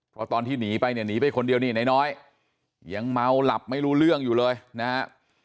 เพราะตอนที่หนีไปเนี่ยหนีไปคนเดียวนี่นายน้อยยังเมาหลับไม่รู้เรื่องอยู่เลยนะฮะ